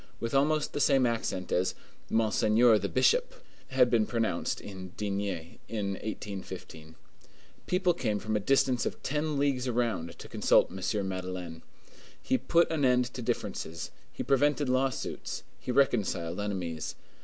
with almost the same accent as "Monseigneur the Bishop" had been pronounced in D—— in 1815. People came from a distance of ten leagues around to consult M. Madeleine. He put an end to differences, he prevented lawsuits, he reconciled enemies.